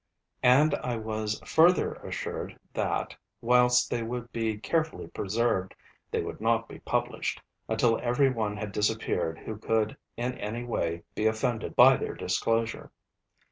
_ And I was further assured that, whilst they would be carefully preserved, they would not be published, until every one had disappeared who could in any way be offended by their disclosure.